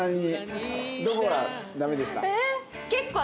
どこがダメでした？